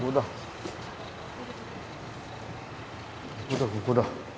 ここだここだ。